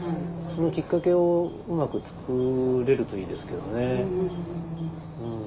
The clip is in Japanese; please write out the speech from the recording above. そのきっかけをうまく作れるといいですけどね。